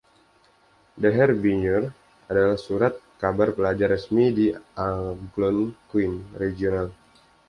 "The Harbinger" adalah surat kabar pelajar resmi di Algonquin Regional.